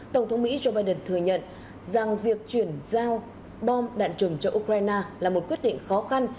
tổng thống mỹ joe biden thừa nhận rằng việc chuyển giao bom đạn trùng cho ukraine là một quyết định khó khăn